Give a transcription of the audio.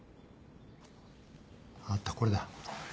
あったこれだ。